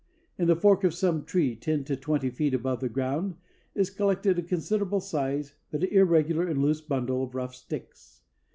In the fork of some tree ten to twenty feet above ground is collected a considerable sized but irregular and loose bundle of rough sticks.